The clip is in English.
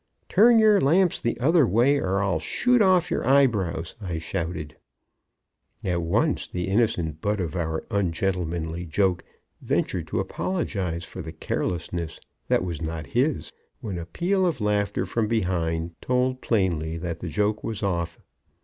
"Turn your lamps the other way, or I'll shoot off yer eyebrows!" I shouted. At once the innocent butt of our ungentlemanly joke ventured to apologize for the carelessness that was not his, when a peal of laughter from behind told plainly that the joke was off.